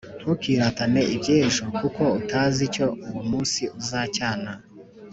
ntukiratane iby’ejo, kuko utazi icyo uwo munsi uzacyana